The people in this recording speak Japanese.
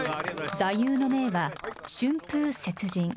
座右の銘は、春風接人。